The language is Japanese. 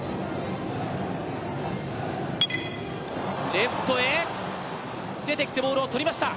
レフトへ出てきてボールを捕りました。